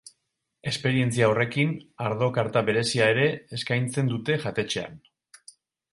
Esperientzia horrekin, ardo karta berezia ere eskaintzen dute jatetxean.